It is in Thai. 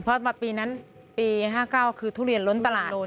เพราะมาปีนั้นปี๕๙คือทุเรียนล้นตลาด